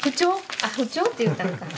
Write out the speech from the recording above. あっ不調って言ったんか。